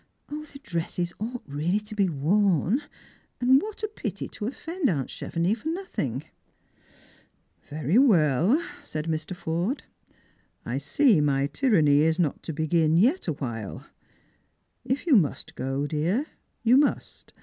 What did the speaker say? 0, the dresses ought really to be worn; and what a pity to offend aunt Chevenix for nothing ! "Very well," said Mr. Forde. "I see my tyranny is not to begin yet awhile. If you must go, dear, you must.